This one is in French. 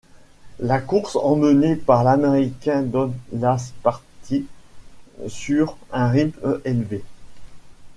La course emmenée par l'américain Don Lash partit sur un rythme élevé.